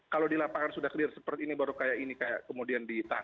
kalau di lapangan sudah clear seperti ini baru kayak ini kayak kemudian ditahan